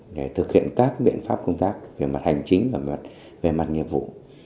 để thực hiện các biện pháp công tác về mặt hành chính và về mặt nhiệm vụ